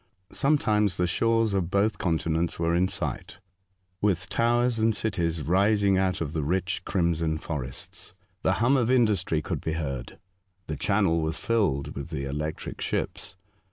Sometimes the shores of both continents were in sight, with towers and cities rising out of the rich €rimson forests. The hum of industry could be heard. The channel was filled with the electric ships.